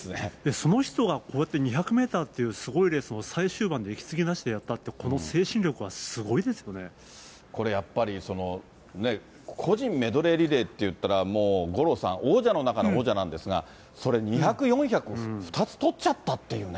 その人がこうやって２００メーターっていう、すごいレースの最終盤で息継ぎなしってやったって、この精神力はこれやっぱり、個人メドレーリレーっていったら、もう五郎さん、王者の中の王者なんですが、それ２００、４００、２つとっちゃったっていうね。